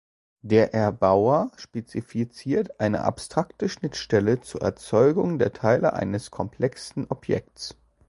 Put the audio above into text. Der Erbauer spezifiziert eine abstrakte Schnittstelle zur Erzeugung der Teile eines komplexen Objektes.